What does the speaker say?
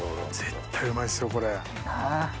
絶対うまいっすよこれ。なぁ。